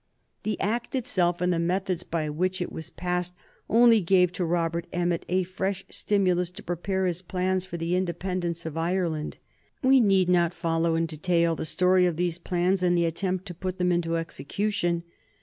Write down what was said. The Act itself and the methods by which it was passed only gave to Robert Emmet a fresh stimulus to prepare his plans for the independence of Ireland. We need not follow in detail the story of these plans and the attempt to put them into execution.